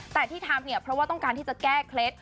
แต่ที่ทำเนี่ยเพราะว่าต้องการที่จะแก้เคล็ด